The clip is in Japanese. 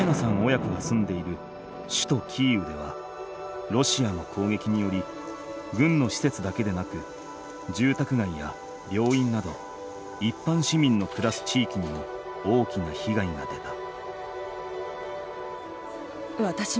親子が住んでいる首都キーウではロシアの攻撃により軍の施設だけでなくじゅうたくがいや病院などいっぱん市民の暮らす地域にも大きなひがいが出た。